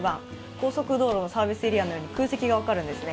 高速道路のサービスエリアのように空席が分かるんですね。